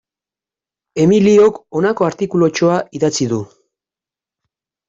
Emiliok honako artikulutxoa idatzi du.